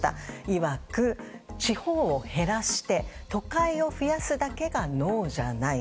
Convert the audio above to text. いわく、地方を減らして都会を増やすだけが能じゃない。